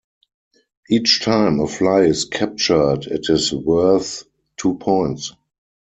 Each time a fly is captured it is worth two points.